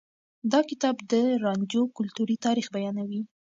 دا کتاب د رانجو کلتوري تاريخ بيانوي.